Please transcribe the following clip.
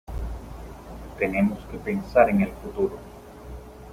Tenemos que pensar en el futuro.